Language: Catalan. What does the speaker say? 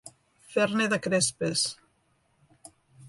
Fer-ne de crespes.